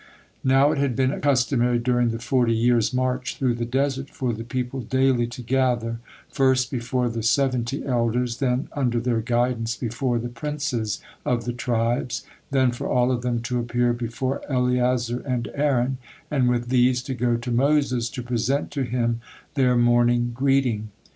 Now it had been customary during the forty years' march through the desert for the people daily to gather, first before the seventy elders, then under their guidance before the princes of the tribes, then for all of them to appear before Eleazar and Aaron, and with these to go to Moses to present to him their morning greeting.